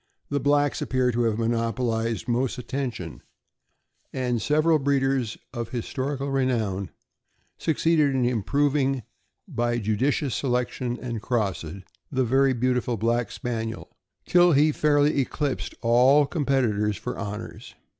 329 the blacks appear to have monopolized most attention, and several breeders of historical renown succeeded in improv ing, by judicious selection and crosses, the very beautiful Black Spaniel till he fairly eclipsed all competitors for hon ors.